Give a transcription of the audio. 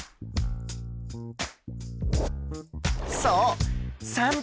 そう！